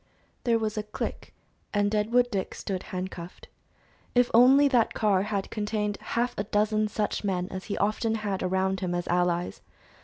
There was a click, and Deadwood Dick stood handcuffed. If only that car had contained half a dozen such men as he often had around him as allies!